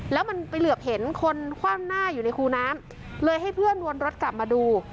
แล้วมันไปเหลือบเห็นคนคว่ำหน้าอยู่ในคูน้ำเลยให้เพื่อนวนรถกลับมาดู